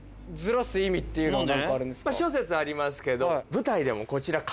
諸説ありますけど。